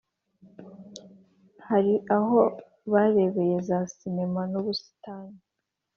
hari aho barebera za sinema n’ubusitani